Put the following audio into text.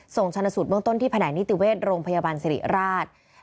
ชนสูตรเบื้องต้นที่แผนกนิติเวชโรงพยาบาลสิริราช